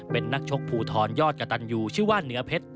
เป็นนักชกภูทรยอดกระตันยูชื่อว่าเหนือเพชร